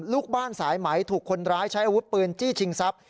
ลูกบ้านสายไหมถูกคนร้ายใช้อาวุธปืนจี้ชิงทรัพย์